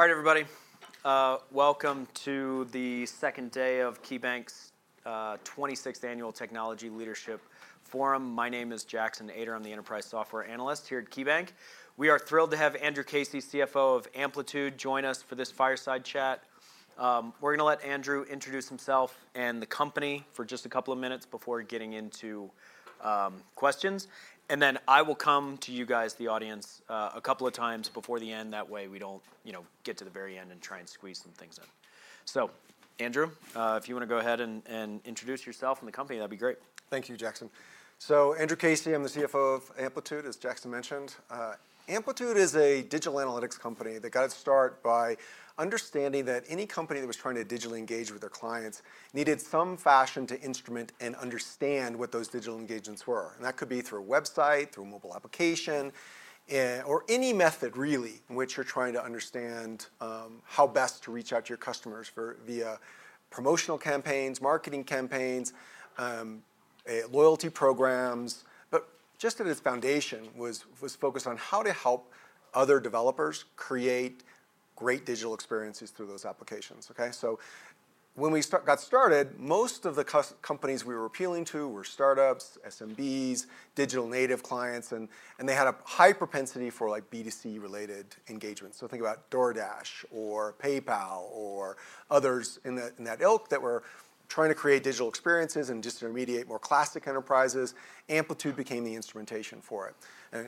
Alright, everybody. Welcome to the second day of KeyBank's 26th Annual Technology Leadership Forum. My name is Jackson Ader. I'm the Enterprise Software Analyst here at KeyBank. We are thrilled to have Andrew Casey, CFO of Amplitude, join us for this fireside chat. We're going to let Andrew introduce himself and the company for just a couple of minutes before getting into questions. I will come to you guys, the audience, a couple of times before the end. That way we don't, you know, get to the very end and try and squeeze some things in. Andrew, if you want to go ahead and introduce yourself and the company, that'd be great. Thank you, Jackson. So, Andrew Casey, I'm the CFO of Amplitude, as Jackson mentioned. Amplitude is a digital analytics company that got its start by understanding that any company that was trying to digitally engage with their clients needed some fashion to instrument and understand what those digital engagements were. That could be through a website, through a mobile application, or any method really in which you're trying to understand how best to reach out to your customers via promotional campaigns, marketing campaigns, loyalty programs. At its foundation, it was focused on how to help other developers create great digital experiences through those applications. When we got started, most of the companies we were appealing to were startups, SMBs, digital native clients, and they had a high propensity for B2C related engagement. Think about DoorDash or PayPal or others in that ilk that were trying to create digital experiences and just intermediate more classic enterprises. Amplitude became the instrumentation for it.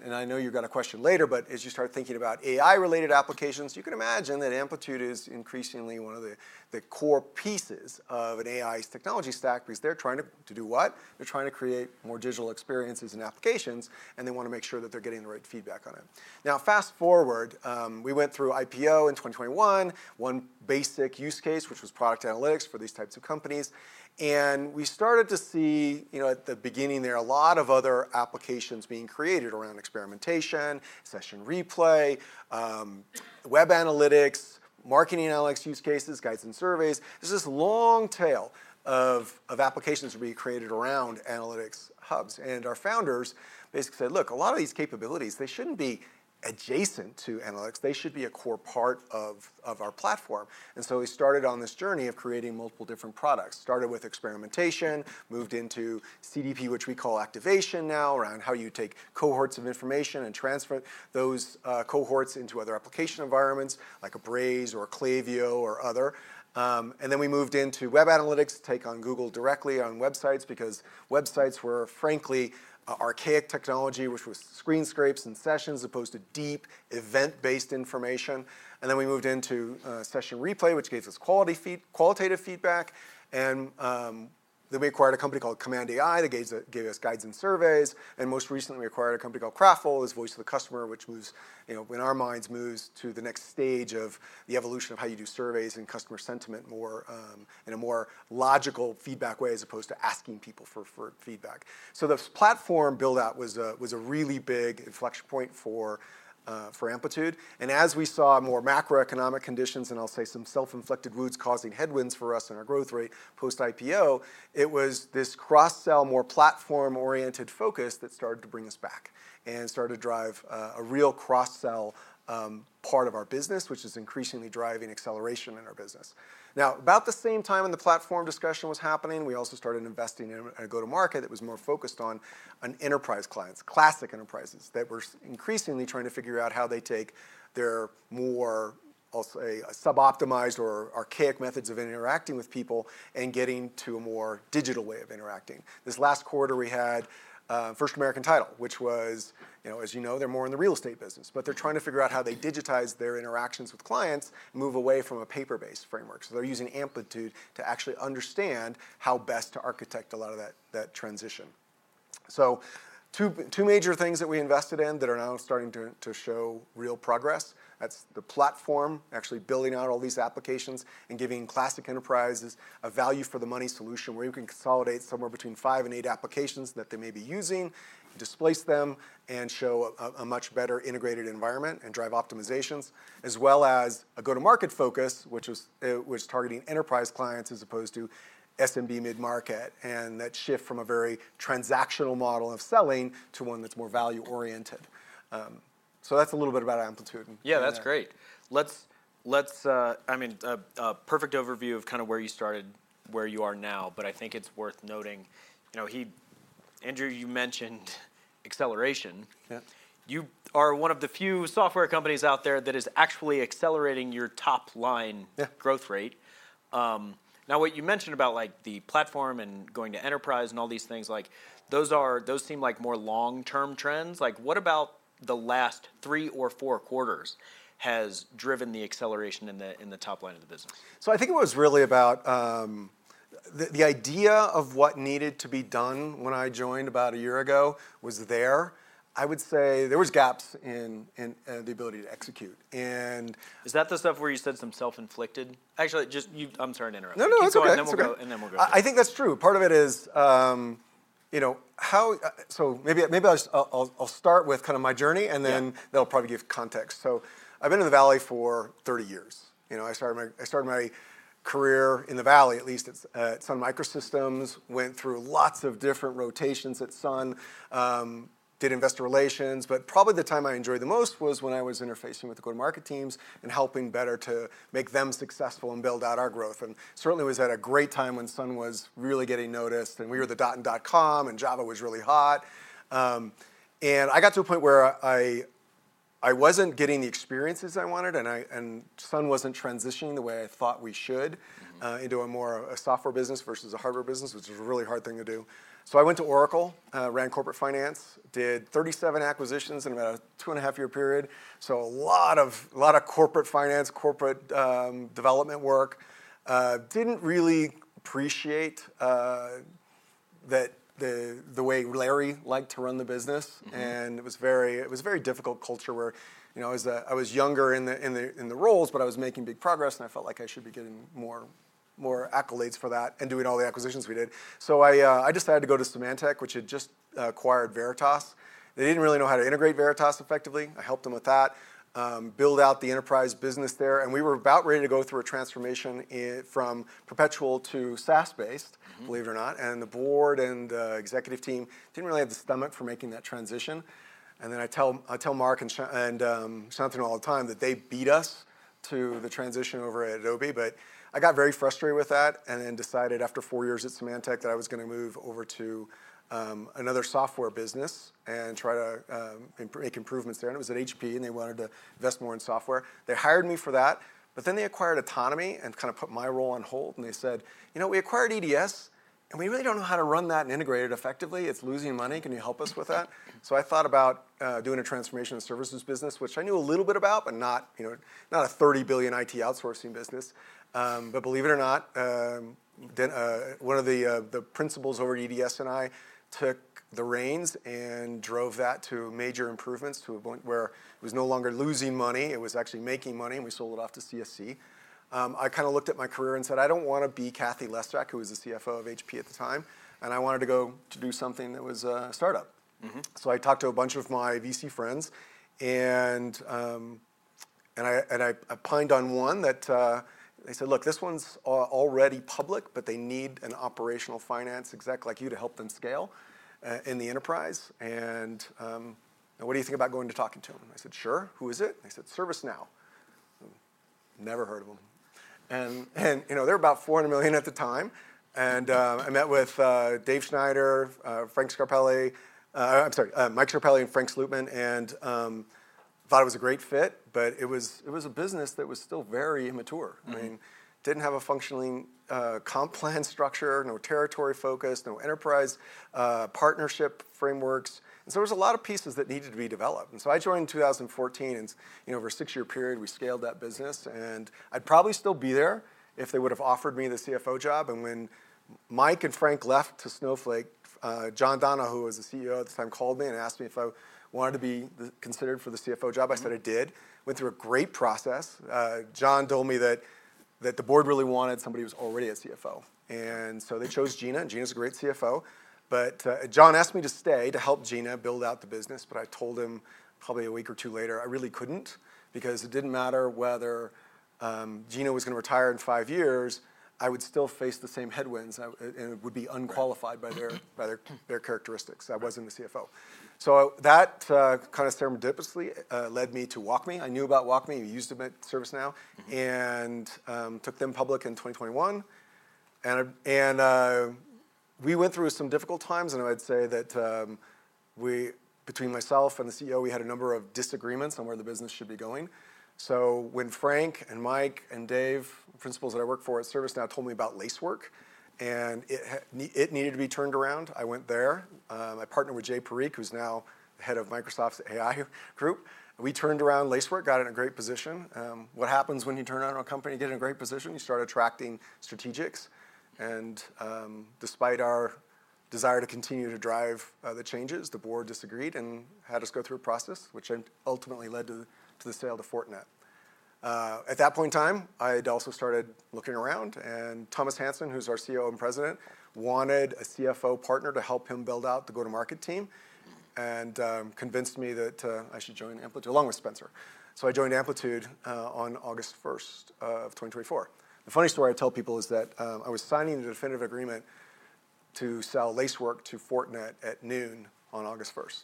I know you've got a question later, but as you start thinking about AI related applications, you can imagine that Amplitude is increasingly one of the core pieces of an AI technology stack because they're trying to do what? They're trying to create more digital experiences and applications, and they want to make sure that they're getting the right feedback on it. Now, fast forward, we went through IPO in 2021, one basic use case, which was product analytics for these types of companies. We started to see, at the beginning, there are a lot of other applications being created around experimentation, session replay, web analytics, marketing analytics use cases, guides and surveys. There's this long tail of applications being created around analytics hubs. Our founders basically said, look, a lot of these capabilities, they shouldn't be adjacent to analytics. They should be a core part of our platform. We started on this journey of creating multiple different products. Started with experimentation, moved into CDP, which we call Activation now, around how you take cohorts of information and transfer those cohorts into other application environments like a Braze or a Klaviyo or other. We moved into web analytics to take on Google directly on websites because websites were, frankly, archaic technology, which was screen scrapes and sessions as opposed to deep event-based information. We moved into session replay, which gave us qualitative feedback. We acquired a company called Command AI that gave us Guides and Surveys. Most recently, we acquired a company called Kraftful, which is voice of the customer, which moves, you know, when our minds move to the next stage of the evolution of how you do surveys and customer sentiment in a more logical feedback way as opposed to asking people for feedback. The platform build out was a really big inflection point for Amplitude. As we saw more macroeconomic conditions, and I'll say some self-inflicted wounds causing headwinds for us and our growth rate post IPO, it was this cross-sell, more platform-oriented focus that started to bring us back and started to drive a real cross-sell part of our business, which is increasingly driving acceleration in our business. At about the same time when the platform discussion was happening, we also started investing in a go-to-market that was more focused on enterprise clients, classic enterprises that were increasingly trying to figure out how they take their more, I'll say, suboptimized or archaic methods of interacting with people and getting to a more digital way of interacting. This last quarter, we had First American Title, which was, you know, as you know, they're more in the real estate business, but they're trying to figure out how they digitize their interactions with clients, move away from a paper-based framework. They're using Amplitude to actually understand how best to architect a lot of that transition. Two major things that we invested in are now starting to show real progress. That's the platform actually building out all these applications and giving classic enterprises a value for the money solution where you can consolidate somewhere between five and eight applications that they may be using, displace them, and show a much better integrated environment and drive optimizations, as well as a go-to-market focus, which was targeting enterprise clients as opposed to SMB mid-market. That shift from a very transactional model of selling to one that's more value-oriented. That's a little bit about Amplitude. Yeah, that's great. A perfect overview of kind of where you started, where you are now. I think it's worth noting, you know, Andrew, you mentioned acceleration. Yeah. You are one of the few software companies out there that is actually accelerating your top line growth rate. Now, what you mentioned about the platform and going to enterprise and all these things, those seem like more long-term trends. What about the last three or four quarters has driven the acceleration in the top line of the business? I think it was really about the idea of what needed to be done when I joined about a year ago. I would say there were gaps in the ability to execute. Is that the stuff where you said some self-inflicted? I'm sorry to interrupt. No, it's all right. We will go. I think that's true. Part of it is, you know, how, so maybe I'll start with kind of my journey and then that'll probably give context. I've been in the Valley for 30 years. I started my career in the Valley, at least at Sun Microsystems, went through lots of different rotations at Sun, did investor relations, but probably the time I enjoyed the most was when I was interfacing with the go-to-market teams and helping better to make them successful and build out our growth. It certainly was at a great time when Sun was really getting noticed and we were the dot in .com and Java was really hot. I got to a point where I wasn't getting the experiences I wanted and Sun wasn't transitioning the way I thought we should into a more software business versus a hardware business, which was a really hard thing to do. I went to Oracle, ran corporate finance, did 37 acquisitions in a two and a half year period. A lot of corporate finance, corporate development work. Didn't really appreciate the way Larry liked to run the business. It was a very difficult culture where I was younger in the roles, but I was making big progress and I felt like I should be getting more accolades for that and doing all the acquisitions we did. I decided to go to Symantec, which had just acquired Veritas. They didn't really know how to integrate Veritas effectively. I helped them with that, build out the enterprise business there. We were about ready to go through a transformation from perpetual to SaaS-based, believe it or not. The board and the executive team didn't really have the stomach for making that transition. I tell Mark and Shantanu all the time that they beat us to the transition over at Adobe, but I got very frustrated with that and then decided after four years at Symantec that I was going to move over to another software business and try to make improvements there. It was at HP and they wanted to invest more in software. They hired me for that, but then they acquired Autonomy and kind of put my role on hold and they said, you know, we acquired EDS and we really don't know how to run that and integrate it effectively. It's losing money. Can you help us with that? I thought about doing a transformation of services business, which I knew a little bit about, but not, you know, not a $30 billion IT outsourcing business. But believe it or not, one of the principals over at EDS and I took the reins and drove that to major improvements to a point where it was no longer losing money. It was actually making money, and we sold it off to CSC. I kind of looked at my career and said, I don't want to be Cathy Lesjak, who was the CFO of HP at the time. I wanted to go to do something that was a startup. I talked to a bunch of my VC friends and I pinned on one that they said, look, this one's already public, but they need an operational finance exec like you to help them scale in the enterprise. What do you think about going to talking to them? I said, sure. Who is it? They said, ServiceNow. Never heard of them. You know, they're about $400 million at the time. I met with Dave Schneider, Mike Scarpelli, and Frank Slootman, and thought it was a great fit, but it was a business that was still very immature. I mean, didn't have a functioning comp plan structure, no territory focus, no enterprise partnership frameworks. There were a lot of pieces that needed to be developed. I joined in 2014 and, over a six-year period, we scaled that business. I'd probably still be there if they would have offered me the CFO job. When Mike and Frank left to Snowflake, John Donahoe, who was the CEO at the time, called me and asked me if I wanted to be considered for the CFO job. I said I did. Went through a great process. John told me that the board really wanted somebody who was already a CFO. They chose Gina, and Gina's a great CFO. John asked me to stay to help Gina build out the business. I told him probably a week or two later, I really couldn't because it didn't matter whether Gina was going to retire in five years, I would still face the same headwinds and would be unqualified by their characteristics. I wasn't the CFO. That kind of serendipitously led me to WalkMe. I knew about WalkMe. We used them at ServiceNow and took them public in 2021. We went through some difficult times. I'd say that we, between myself and the CEO, had a number of disagreements on where the business should be going. When Frank and Mike and Dave, principals that I worked for at ServiceNow, told me about Lacework and it needed to be turned around, I went there. I partnered with Jay Parikh, who's now head of Microsoft's AI group. We turned around Lacework, got in a great position. What happens when you turn around a company and get in a great position? You start attracting strategics. Despite our desire to continue to drive the changes, the board disagreed and had us go through a process, which ultimately led to the sale to Fortinet. At that point in time, I'd also started looking around and Thomas Hansen, who's our CEO and President, wanted a CFO partner to help him build out the go-to-market team and convinced me that I should join Amplitude along with Spenser. I joined Amplitude on August 1st, 2024. The funny story I tell people is that I was signing a definitive agreement to sell Lacework to Fortinet at 12:00 P.M. on August 1st.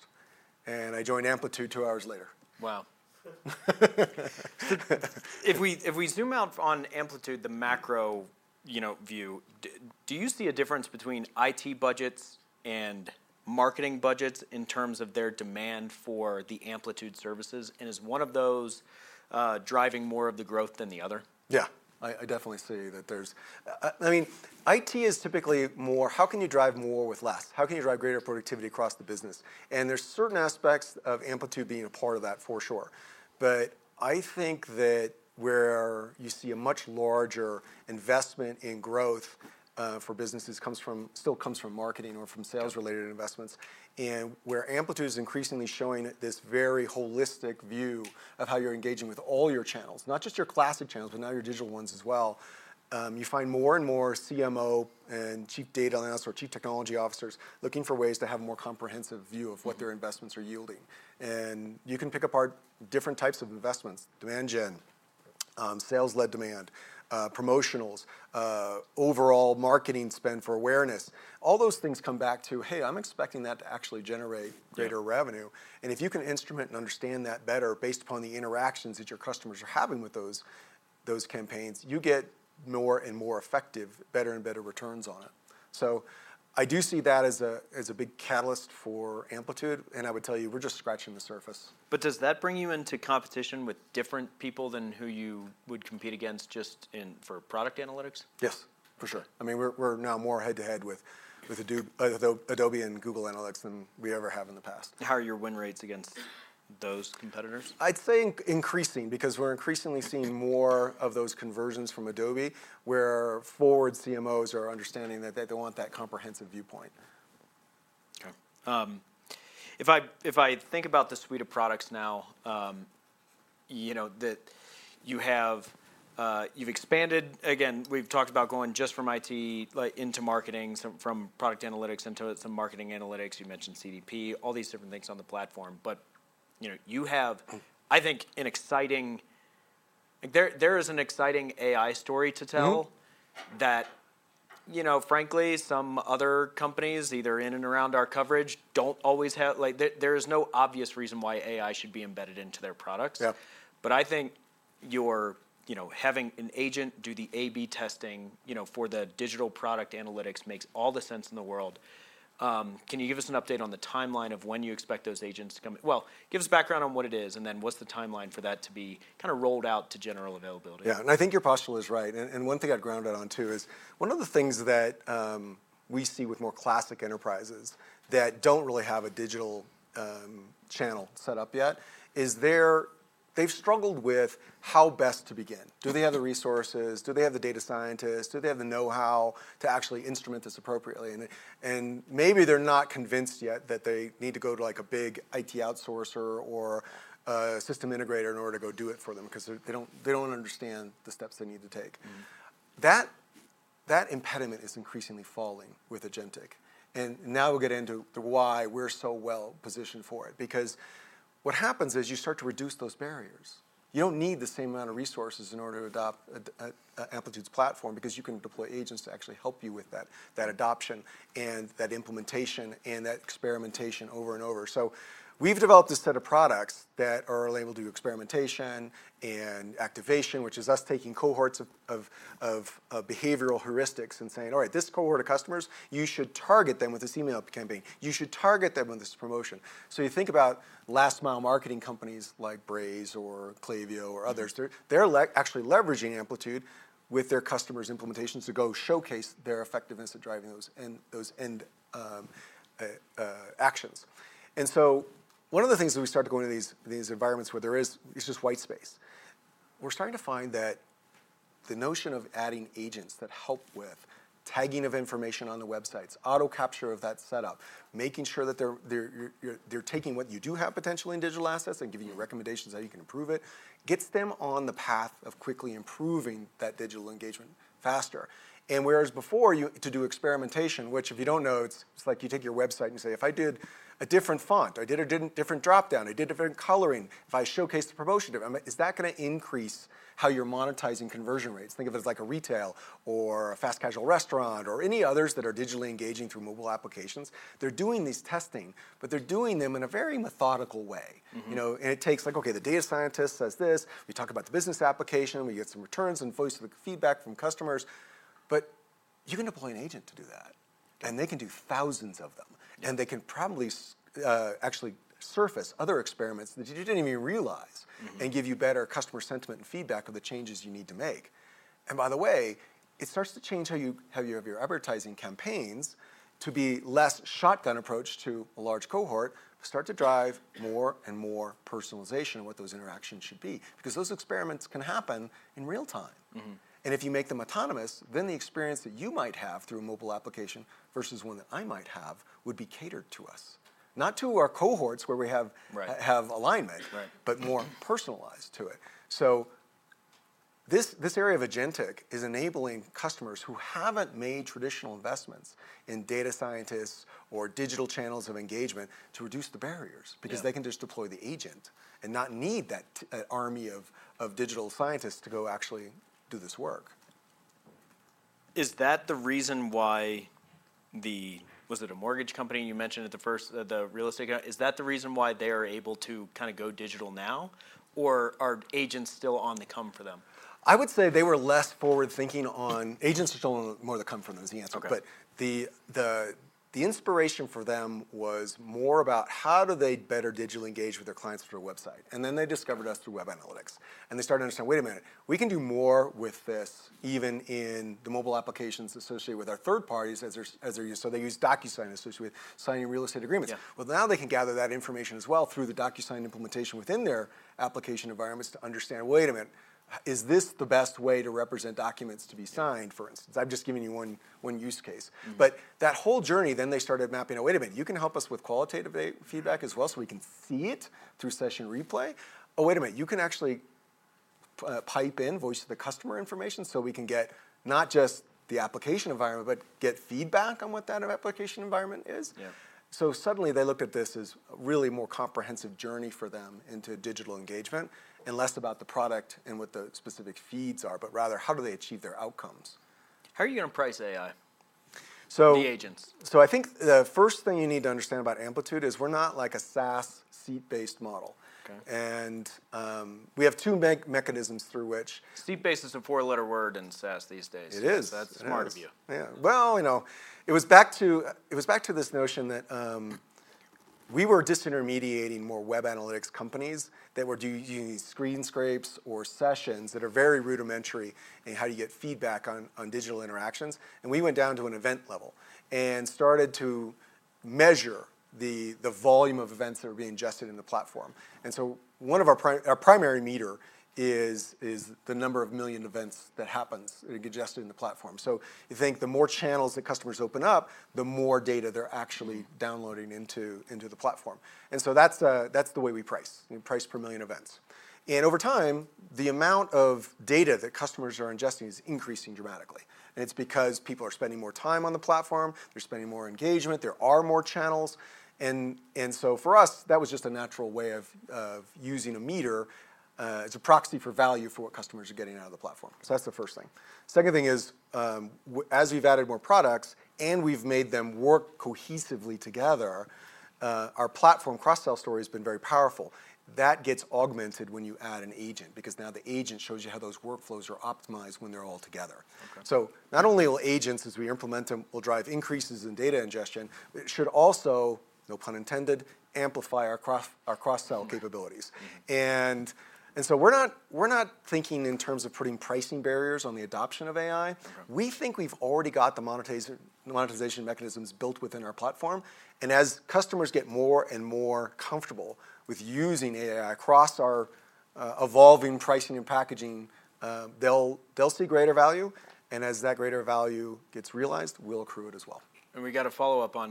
I joined Amplitude two hours later. Wow. If we zoom out on Amplitude, the macro, you know, view, do you see a difference between IT budgets and marketing budgets in terms of their demand for the Amplitude services? Is one of those driving more of the growth than the other? Yeah, I definitely see that there's, I mean, IT is typically more, how can you drive more with less? How can you drive greater productivity across the business? There's certain aspects of Amplitude being a part of that for sure. I think that where you see a much larger investment in growth for businesses still comes from marketing or from sales-related investments. Where Amplitude is increasingly showing this very holistic view of how you're engaging with all your channels, not just your classic channels, but now your digital ones as well. You find more and more CMO and Chief Data Analysts or Chief Technology Officers looking for ways to have a more comprehensive view of what their investments are yielding. You can pick apart different types of investments: demand gen, sales-led demand, promotionals, overall marketing spend for awareness. All those things come back to, hey, I'm expecting that to actually generate greater revenue. If you can instrument and understand that better based upon the interactions that your customers are having with those campaigns, you get more and more effective, better and better returns on it. I do see that as a big catalyst for Amplitude. I would tell you, we're just scratching the surface. Does that bring you into competition with different people than who you would compete against just for product analytics? Yes, for sure. I mean, we're now more head-to-head with Adobe and Google Analytics than we ever have in the past. How are your win rates against those competitors? I'd say increasing because we're increasingly seeing more of those conversions from Adobe, where forward CMOs are understanding that they want that comprehensive viewpoint. If I think about the suite of products now, you know, that you have, you've expanded, we've talked about going just from IT into marketing, from product analytics into some marketing analytics. You mentioned CDP, all these different things on the platform. You have, I think, an exciting, there is an exciting AI story to tell that, you know, frankly, some other companies, either in and around our coverage, don't always have, like, there is no obvious reason why AI should be embedded into their products. Yeah. I think you're, you know, having an agent do the A/B testing, you know, for the digital product analytics makes all the sense in the world. Can you give us an update on the timeline of when you expect those agents to come in? Give us background on what it is and then what's the timeline for that to be kind of rolled out to general availability. Yeah, and I think your postulate is right. One thing I'd ground it on too is one of the things that we see with more classic enterprises that don't really have a digital channel set up yet is they've struggled with how best to begin. Do they have the resources? Do they have the data scientists? Do they have the know-how to actually instrument this appropriately? Maybe they're not convinced yet that they need to go to a big IT outsourcer or a system integrator in order to do it for them because they don't understand the steps they need to take. That impediment is increasingly falling with Agentic. Now we'll get into why we're so well positioned for it because what happens is you start to reduce those barriers. You don't need the same amount of resources in order to adopt Amplitude's platform because you can deploy agents to actually help you with that adoption and that implementation and that experimentation over and over. We've developed a set of products that are labeled to do experiment and activation, which is us taking cohorts of behavioral heuristics and saying, all right, this cohort of customers, you should target them with this email campaign. You should target them with this promotion. You think about last-mile marketing companies like Braze or Klaviyo or others. They're actually leveraging Amplitude with their customers' implementations to showcase their effectiveness at driving those end actions. One of the things that we start to go into these environments where there is, it's just white space. We're starting to find that the notion of adding agents that help with tagging of information on the websites, auto-capture of that setup, making sure that they're taking what you do have potentially in digital assets and giving you recommendations how you can improve it, gets them on the path of quickly improving that digital engagement faster. Whereas before, to do experimentation, which if you don't know, it's like you take your website and you say, if I did a different font, I did a different dropdown, I did different coloring, if I showcase the promotion difference, is that going to increase how you're monetizing conversion rates? Think of it as like a retail or a fast casual restaurant or any others that are digitally engaging through mobile applications. They're doing these testing, but they're doing them in a very methodical way. You know, it takes like, okay, the data scientist says this, we talk about the business application, we get some returns and voice of the feedback from customers, but you can deploy an agent to do that. They can do thousands of them. They can probably actually surface other experiments that you didn't even realize and give you better customer sentiment and feedback of the changes you need to make. By the way, it starts to change how you have your advertising campaigns to be less shotgun approach to a large cohort, start to drive more and more personalization of what those interactions should be, because those experiments can happen in real time. If you make them autonomous, then the experience that you might have through a mobile application versus one that I might have would be catered to us, not to our cohorts where we have alignment, but more personalized to it. This area of Agentic is enabling customers who haven't made traditional investments in data scientists or digital channels of engagement to reduce the barriers because they can just deploy the agent and not need that army of digital scientists to go actually do this work. Is that the reason why, was it a mortgage company you mentioned at the first, the real estate guy? Is that the reason why they are able to kind of go digital now? Or are agents still on the come for them? I would say they were less forward thinking on, agents are still on more of the come for them as the answer. The inspiration for them was more about how do they better digitally engage with their clients through a website. They discovered us through web analytics. They started to understand, wait a minute, we can do more with this even in the mobile applications associated with our third parties as they're used. They use DocuSign associated with signing real estate agreements. Now they can gather that information as well through the DocuSign implementation within their application environments to understand, wait a minute, is this the best way to represent documents to be signed, for instance? I've just given you one use case. That whole journey, then they started mapping out, wait a minute, you can help us with qualitative feedback as well, so we can see it through session replay. Oh, wait a minute, you can actually pipe in voice of the customer information so we can get not just the application environment, but get feedback on what that application environment is. Suddenly they look at this as a really more comprehensive journey for them into digital engagement and less about the product and what the specific feeds are, but rather how do they achieve their outcomes? How are you going to price AI? I think the first thing you need to understand about Amplitude is we're not like a SaaS seat-based model. We have two mechanisms through which. Seat-based is a four-letter word in SaaS these days. It is. That's smart of you. Yeah, it was back to this notion that we were disintermediating more web analytics companies that were doing these screen scrapes or sessions that are very rudimentary in how to get feedback on digital interactions. We went down to an event level and started to measure the volume of events that are being ingested in the platform. One of our primary meters is the number of million events that happen ingested in the platform. I think the more channels that customers open up, the more data they're actually downloading into the platform. That's the way we price. We price per million events. Over time, the amount of data that customers are ingesting is increasing dramatically. It's because people are spending more time on the platform, they're spending more engagement, there are more channels. For us, that was just a natural way of using a meter as a proxy for value for what customers are getting out of the platform. That's the first thing. The second thing is, as we've added more products and we've made them work cohesively together, our platform cross-sell story has been very powerful. That gets augmented when you add an agent because now the agent shows you how those workflows are optimized when they're all together. Not only will agents, as we implement them, drive increases in data ingestion, it should also, no pun intended, amplify our cross-sell capabilities. We're not thinking in terms of putting pricing barriers on the adoption of AI. We think we've already got the monetization mechanisms built within our platform. As customers get more and more comfortable with using AI across our evolving pricing and packaging, they'll see greater value. As that greater value gets realized, we'll accrue it as well. We got to follow up on,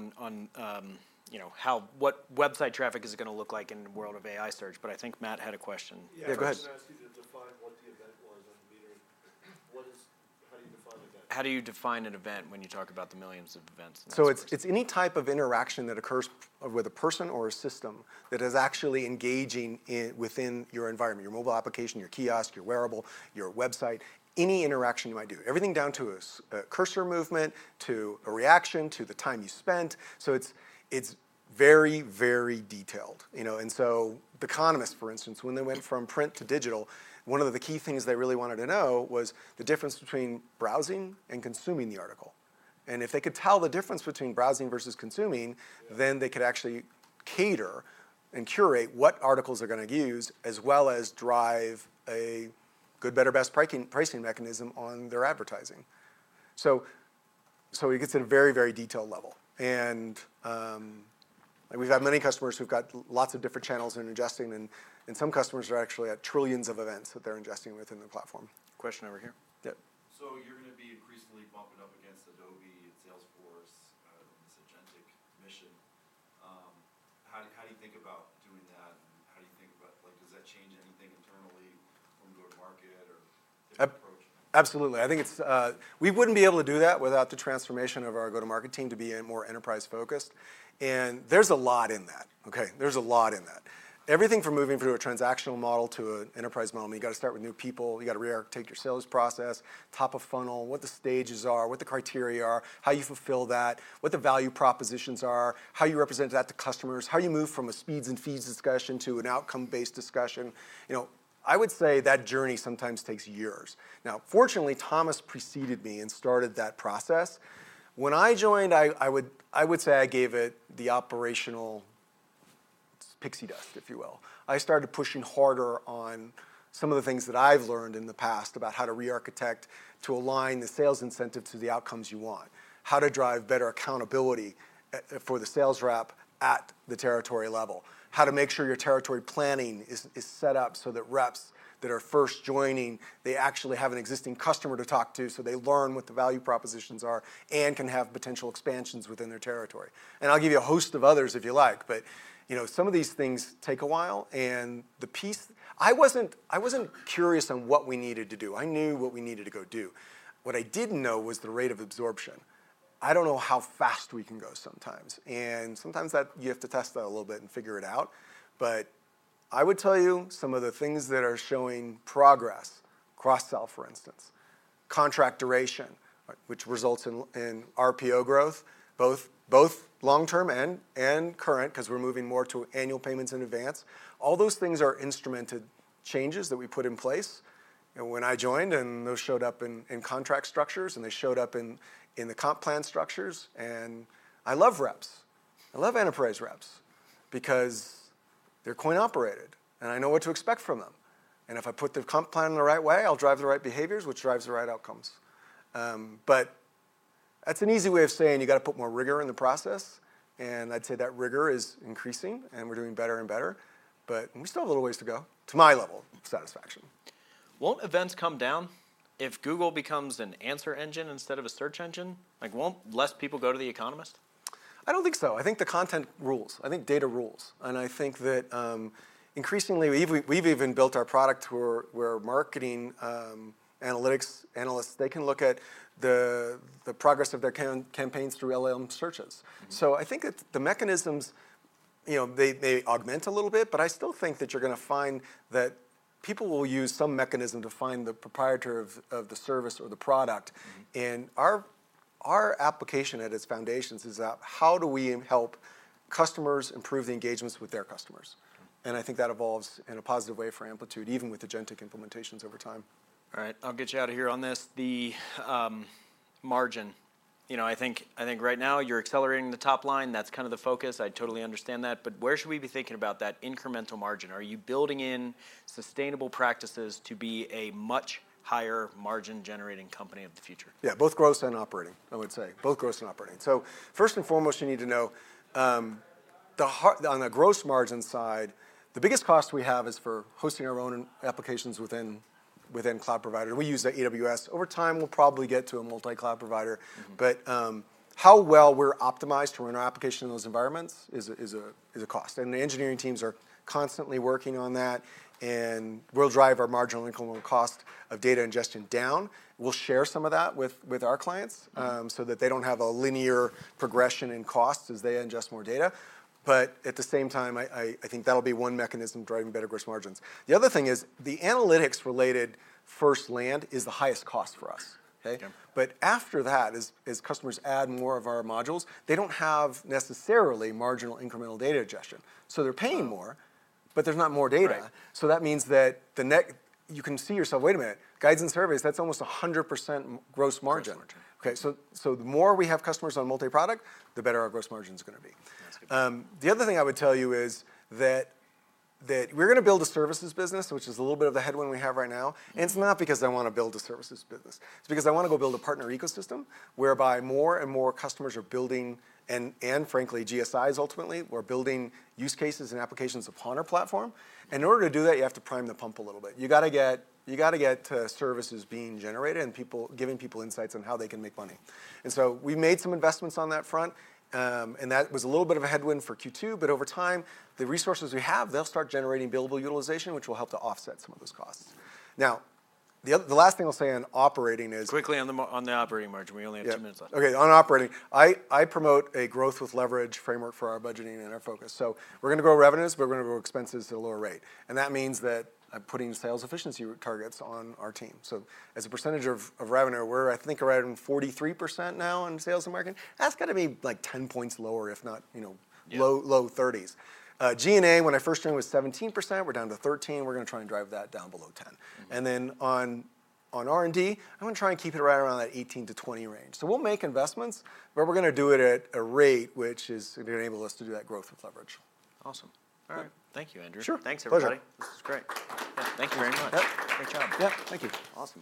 you know, what website traffic is going to look like in the world of AI search. I think Matt had a question. Yeah, go ahead. I was going to ask you to define what the event was on the meter. How do you define an event when you talk about the millions of events? It's any type of interaction that occurs with a person or a system that is actually engaging within your environment, your mobile application, your kiosk, your wearable, your website, any interaction you might do. Everything down to a cursor movement, to a reaction, to the time you spent. It's very, very detailed. For instance, The Economist, when they went from print to digital, one of the key things they really wanted to know was the difference between browsing and consuming the article. If they could tell the difference between browsing versus consuming, then they could actually cater and curate what articles they're going to use, as well as drive a good, better, best pricing mechanism on their advertising. It gets in a very, very detailed level. We've had many customers who've got lots of different channels and ingesting, and some customers are actually at trillions of events that they're ingesting within the platform. Question over here. Yeah, you're going to be increasingly bumping up against Adobe and Salesforce in this Agentic mission. How do you think about doing that? How do you think about, like, does that change anything internally when we go to market or? Absolutely. I think it's, we wouldn't be able to do that without the transformation of our go-to-market team to be more enterprise-focused. There's a lot in that. There's a lot in that. Everything from moving through a transactional model to an enterprise model, you got to start with new people. You got to re-architect your sales process, top of funnel, what the stages are, what the criteria are, how you fulfill that, what the value propositions are, how you represent that to customers, how you move from a speeds and feeds discussion to an outcome-based discussion. I would say that journey sometimes takes years. Fortunately, Thomas preceded me and started that process. When I joined, I would say I gave it the operational pixie dust, if you will. I started pushing harder on some of the things that I've learned in the past about how to re-architect, to align the sales incentive to the outcomes you want, how to drive better accountability for the sales rep at the territory level, how to make sure your territory planning is set up so that reps that are first joining actually have an existing customer to talk to, so they learn what the value propositions are and can have potential expansions within their territory. I'll give you a host of others if you like, but some of these things take a while. The piece, I wasn't curious on what we needed to do. I knew what we needed to go do. What I didn't know was the rate of absorption. I don't know how fast we can go sometimes. Sometimes you have to test that a little bit and figure it out. I would tell you some of the things that are showing progress, cross-sell, for instance, contract duration, which results in RPO growth, both long-term and current, because we're moving more to annual payments in advance. All those things are instrumented changes that we put in place. When I joined, those showed up in contract structures, and they showed up in the comp plan structures. I love reps. I love enterprise reps because they're coin-operated, and I know what to expect from them. If I put the comp plan in the right way, I'll drive the right behaviors, which drives the right outcomes. That's an easy way of saying you got to put more rigor in the process. I'd say that rigor is increasing, and we're doing better and better. We still have a little ways to go to my level of satisfaction. Won't events come down if Google becomes an answer engine instead of a search engine? Won't less people go to The Economist? I don't think so. I think the content rules. I think data rules. I think that increasingly, we've even built our product where marketing analytics analysts can look at the progress of their campaigns through LLM searches. I think that the mechanisms, you know, augment a little bit, but I still think that you're going to find that people will use some mechanism to find the proprietor of the service or the product. Our application at its foundations is that how do we help customers improve the engagements with their customers? I think that evolves in a positive way for Amplitude, even with the Agentic implementations over time. All right, I'll get you out of here on this. The margin, you know, I think right now you're accelerating the top line. That's kind of the focus. I totally understand that. Where should we be thinking about that incremental margin? Are you building in sustainable practices to be a much higher margin-generating company of the future? Yeah, both gross and operating, I would say. Both gross and operating. First and foremost, you need to know on the gross margin side, the biggest cost we have is for hosting our own applications within cloud providers. We use AWS. Over time, we'll probably get to a multi-cloud provider. How well we're optimized for our application in those environments is a cost, and the engineering teams are constantly working on that. We'll drive our marginal income on cost of data ingestion down. We'll share some of that with our clients so that they don't have a linear progression in costs as they ingest more data. At the same time, I think that'll be one mechanism driving better gross margins. The other thing is the analytics-related first land is the highest cost for us. After that, as customers add more of our modules, they don't have necessarily marginal incremental data ingestion. They're paying more, but there's not more data. That means that you can see yourself, wait a minute, Guides and Surveys, that's almost 100% gross margin. The more we have customers on multi-product, the better our gross margin is going to be. The other thing I would tell you is that we're going to build a services business, which is a little bit of the headwind we have right now. It's not because I want to build a services business. It's because I want to go build a partner ecosystem whereby more and more customers are building, and frankly, GSIs ultimately are building use cases and applications upon our platform. In order to do that, you have to prime the pump a little bit. You got to get to services being generated and giving people insights on how they can make money. We've made some investments on that front. That was a little bit of a headwind for Q2. Over time, the resources we have, they'll start generating billable utilization, which will help to offset some of those costs. Now, the last thing I'll say on operating is. Quickly on the operating margin. We only have two minutes left. Okay, on operating, I promote a growth with leverage framework for our budgeting and our focus. We're going to grow revenues, but we're going to grow expenses at a lower rate. That means that I'm putting sales efficiency targets on our team. As a percentage of revenue, we're, I think, around 43% now on sales in market. That's got to be like 10 points lower, if not, you know, low 30s. G&A, when I first joined, was 17%. We're down to 13%. We're going to try and drive that down below 10%. On R&D, I'm going to try and keep it right around that 18%-20% range. We'll make investments, but we're going to do it at a rate which is going to enable us to do that growth with leverage. Awesome. All right. Thank you, Andrew. Sure. Thanks, everybody. This is great. Thank you very much. Yep. Great job. Yeah, thank you. Awesome.